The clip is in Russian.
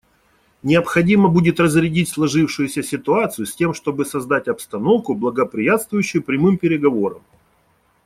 Необходимо будет разрядить сложившуюся ситуацию, с тем чтобы создать обстановку, благоприятствующую прямым переговорам.